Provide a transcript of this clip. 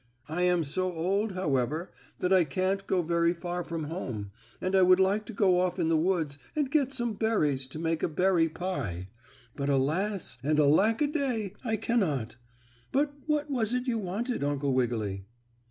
"I am so old, however, that I can't go very far from home, and I would like to go off in the woods, and get some berries to make a berry pie. But alas! and alack a day! I cannot. But what was it you wanted, Uncle Wiggily?"